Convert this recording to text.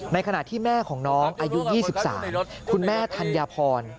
ขณะที่แม่ของน้องอายุ๒๓คุณแม่ธัญพร